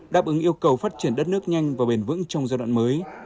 đáp ứng yêu cầu phát triển đất nước nhanh và bền vững trong giai đoạn mới